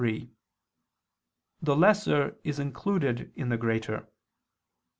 3: The lesser is included in the greater.